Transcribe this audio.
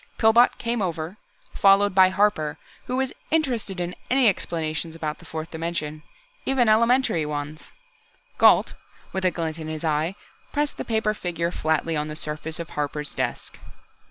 Pillbot came over, followed by Harper, who was interested in any explanations about the fourth dimension even elementary ones.... Gault, with a glint in his eye, pressed the paper figure flatly on the surface of Harper's desk.